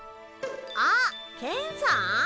あっケンさん？